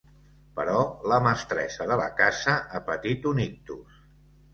Però la mestressa de la casa ha patit un ictus.